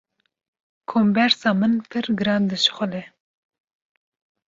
Kombersa min pir giran dişuxile.